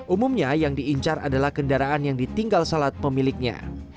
umumnya yang diincar adalah kendaraan yang ditinggal salat pemiliknya